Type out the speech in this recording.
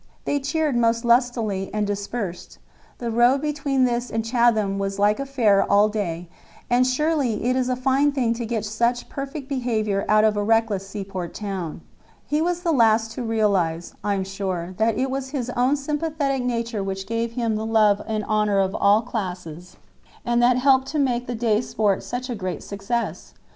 They cheered most lustily and dispersed. The road between this and Chatham was like a fair all day; and surely it is a fine thing to get such perfect behaviour out of a reckless seaport town." He was the last to realize, I am sure that it was his own sympathetic nature which gave him the love and honor of all classes, and that helped to make the day's sports such a great success!